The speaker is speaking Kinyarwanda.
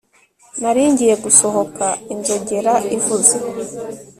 Nari ngiye gusohoka inzogera ivuze